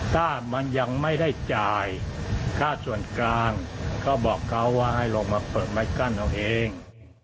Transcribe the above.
ถ้ามันยังไม่ได้จ่ายค่าส่วนกลางก็บอกเขาว่าให้ลงมาเปิดไม้กั้นเอาเอง